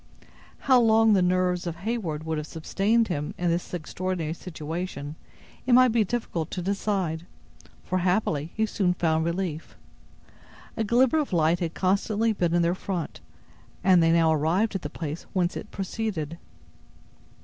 How long the nerves of Heyward would have sustained him in this extraordinary situation, it might be difficult to decide, for, happily, he soon found relief. A glimmer of light had constantly been in their front, and they now arrived at the place whence it proceeded.